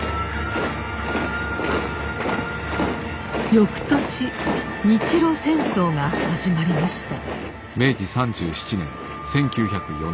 翌年日露戦争が始まりました。